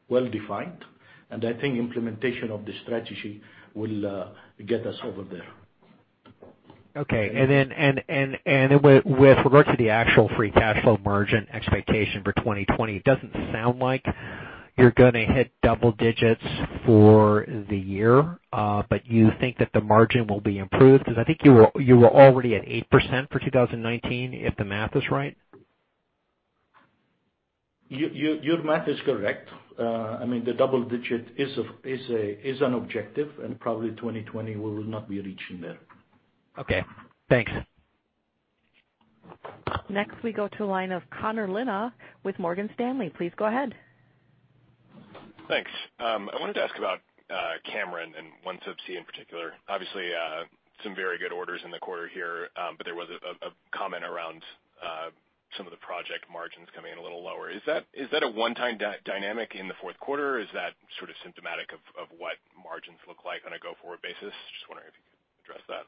well-defined, and I think implementation of the strategy will get us over there. Okay. Then with regard to the actual free cash flow margin expectation for 2020, it doesn't sound like you're gonna hit double digits for the year, but you think that the margin will be improved? I think you were already at 8% for 2019, if the math is right. Your math is correct. The double digit is an objective, and probably 2020 will not be reaching there. Okay, thanks. Next we go to line of Connor Lynagh with Morgan Stanley. Please go ahead. Thanks. I wanted to ask about Cameron and OneSubsea in particular. Obviously, some very good orders in the quarter here, but there was a comment around some of the project margins coming in a little lower. Is that a one-time dynamic in the fourth quarter, or is that sort of symptomatic of what margins look like on a go-forward basis? Just wondering if you could address that.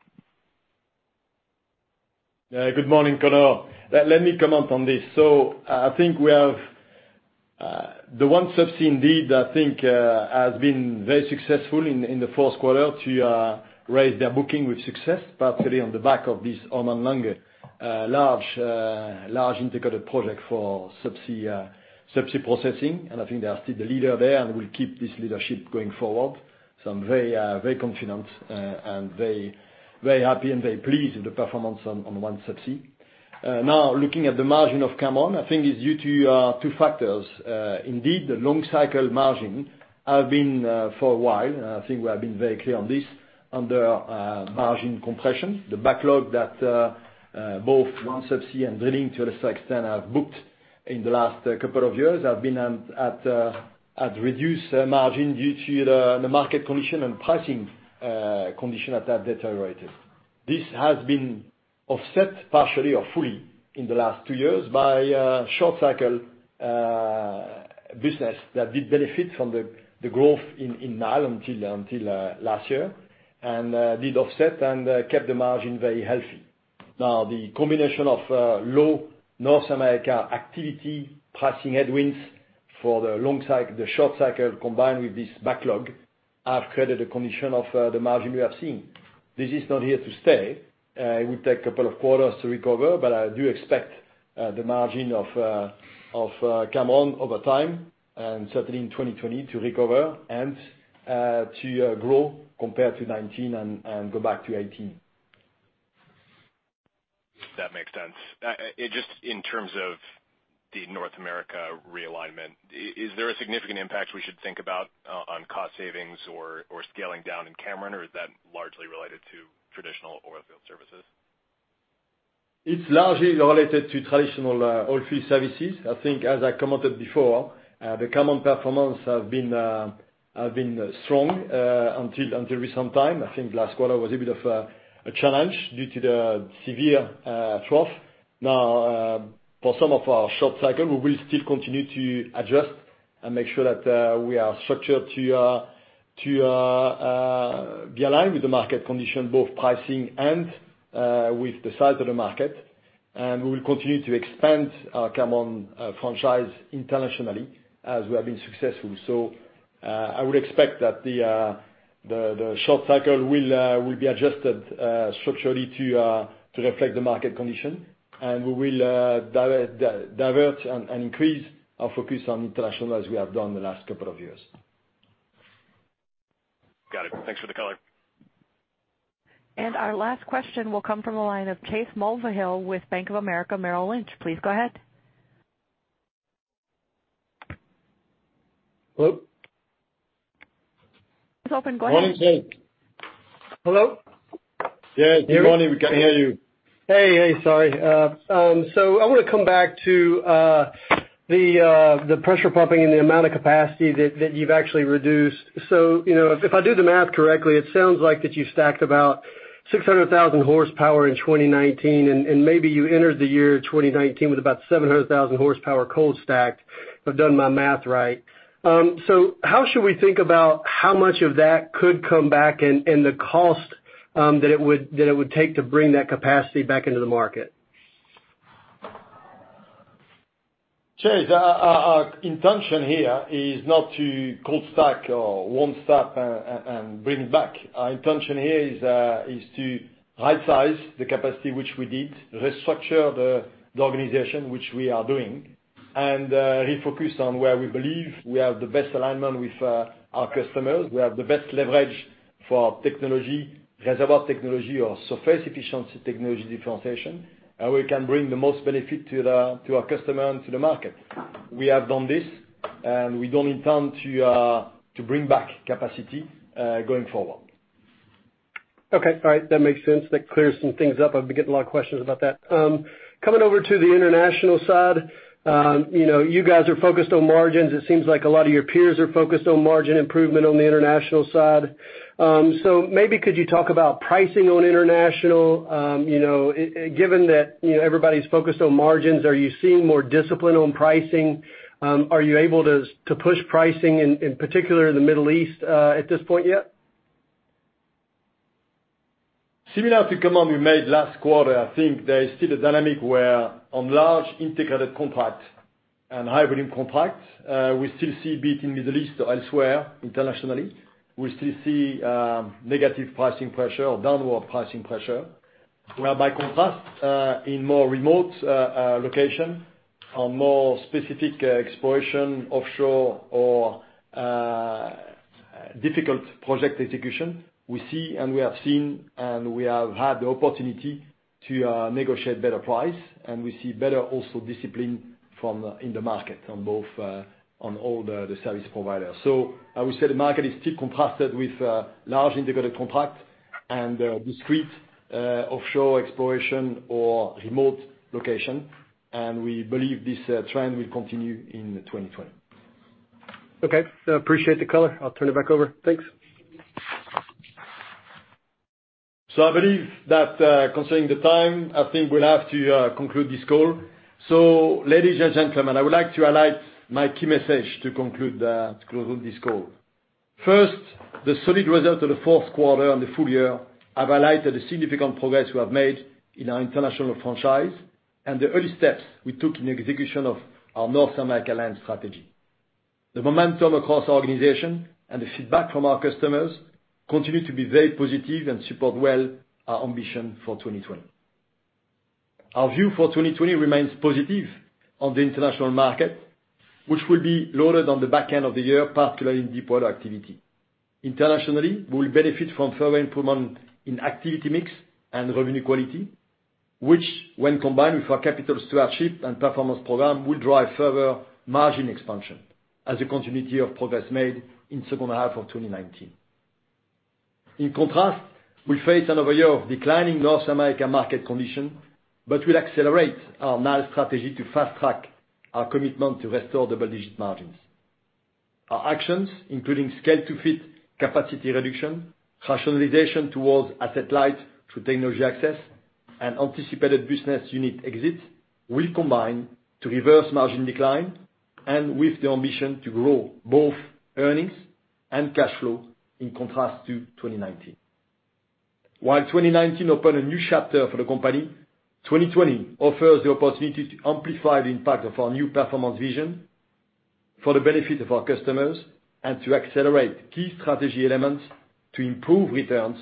Good morning, Connor. Let me comment on this. I think we have the OneSubsea indeed, I think has been very successful in the fourth quarter to raise their booking with success, partially on the back of this Oman LNG large integrated project for subsea processing. I think they are still the leader there and will keep this leadership going forward. I'm very confident and very happy and very pleased with the performance on OneSubsea. Now looking at the margin of Cameron, I think it's due to two factors. Indeed, the long cycle margin have been for a while, and I think we have been very clear on this, under margin compression. The backlog that both OneSubsea and Drilling to a certain extent have booked in the last couple of years have been at reduced margin due to the market condition and pricing condition that have deteriorated. This has been offset partially or fully in the last two years by short cycle business that did benefit from the growth in NAL until last year, and did offset and kept the margin very healthy. The combination of low North America activity, pricing headwinds for the long cycle, the short cycle combined with this backlog have created a condition of the margin we have seen. This is not here to stay. It will take a couple of quarters to recover. I do expect the margin of Cameron over time, and certainly in 2020 to recover and to grow compared to 2019 and go back to 2018. That makes sense. Just in terms of the North America realignment, is there a significant impact we should think about on cost savings or scaling down in Cameron, or is that largely related to traditional oilfield services? It's largely related to traditional oilfield services. I think as I commented before, the Cameron performance have been strong until recent time. I think last quarter was a bit of a challenge due to the severe trough. For some of our short cycle, we will still continue to adjust and make sure that we are structured to be aligned with the market condition, both pricing and with the size of the market. We will continue to expand our Cameron franchise internationally as we have been successful. I would expect that the short cycle will be adjusted structurally to reflect the market condition, and we will divert and increase our focus on international, as we have done the last couple of years. Got it. Thanks for the color. Our last question will come from the line of Chase Mulvehill with Bank of America Merrill Lynch. Please go ahead. Hello? Line's open, go ahead. Chase Mulvehill. Hello? Yeah. Good morning, we can't hear you. Hey. Sorry. I want to come back to the pressure pumping and the amount of capacity that you've actually reduced. If I do the math correctly, it sounds like that you stacked about 600,000 horsepower in 2019, and maybe you entered the year 2019 with about 700,000 horsepower cold stacked, if I've done my math right. How should we think about how much of that could come back and the cost that it would take to bring that capacity back into the market? Chase, our intention here is not to cold stack or warm stack and bring it back. Our intention here is to rightsize the capacity which we need, restructure the organization, which we are doing, and refocus on where we believe we have the best alignment with our customers, we have the best leverage for technology, reservoir technology or surface efficiency technology differentiation, and we can bring the most benefit to our customer and to the market. We have done this, and we don't intend to bring back capacity going forward. Okay. All right. That makes sense. That clears some things up. I've been getting a lot of questions about that. Coming over to the international side. You guys are focused on margins. It seems like a lot of your peers are focused on margin improvement on the international side. Maybe could you talk about pricing on international, given that everybody's focused on margins, are you seeing more discipline on pricing? Are you able to push pricing in particular in the Middle East at this point yet? Similar to comment we made last quarter, I think there is still a dynamic where on large integrated contracts and high volume contracts, we still see be it in Middle East or elsewhere internationally, we still see negative pricing pressure or downward pricing pressure. By contrast, in more remote location or more specific exploration offshore or difficult project execution, we see and we have seen and we have had the opportunity to negotiate better price. We see better also discipline in the market on all the service providers. I would say the market is still compacted with large integrated contract and discrete offshore exploration or remote location, and we believe this trend will continue in 2020. Okay. Appreciate the color. I'll turn it back over. Thanks. I believe that considering the time, I think we'll have to conclude this call. Ladies and gentlemen, I would like to highlight my key message to conclude on this call. First, the solid results of the fourth quarter and the full year have highlighted the significant progress we have made in our international franchise and the early steps we took in execution of our North America land strategy. The momentum across our organization and the feedback from our customers continue to be very positive and support well our ambition for 2020. Our view for 2020 remains positive on the international market, which will be loaded on the back end of the year, particularly in deepwater activity. Internationally, we will benefit from further improvement in activity mix and revenue quality, which when combined with our Capital Stewardship and performance program, will drive further margin expansion as a continuity of progress made in second half of 2019. In contrast, we face another year of declining North America market condition, we'll accelerate our NAL strategy to fast-track our commitment to restore double-digit margins. Our actions, including Scale-to-fit capacity reduction, rationalization towards asset light through Technology Access, and anticipated business unit exits, will combine to reverse margin decline and with the ambition to grow both earnings and cash flow in contrast to 2019. While 2019 opened a new chapter for the company, 2020 offers the opportunity to amplify the impact of our new performance vision for the benefit of our customers and to accelerate key strategy elements to improve returns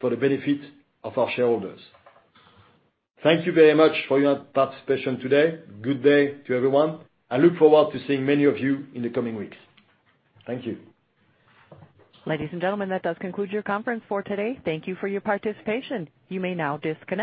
for the benefit of our shareholders. Thank you very much for your participation today. Good day to everyone. I look forward to seeing many of you in the coming weeks. Thank you. Ladies and gentlemen, that does conclude your conference for today. Thank you for your participation. You may now disconnect.